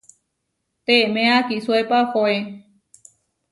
Teeméa akisuépa ohoé.